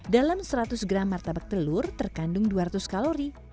dalam seratus gram martabak telur terkandung dua ratus kalori